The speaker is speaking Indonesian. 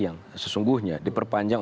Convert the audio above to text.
yang sesungguhnya diperpanjang